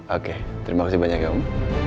oke terima kasih banyak ya om